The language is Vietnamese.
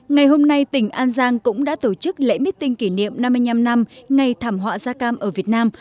ngày hôm nay tỉnh an giang cũng đã tổ chức lễ meeting kỷ niệm năm mươi năm năm ngày thảm họa da cam ở việt nam